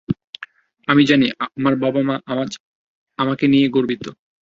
আমি জানি আমার বাবা-মা আমাকে নিয়ে আজ গর্বিত।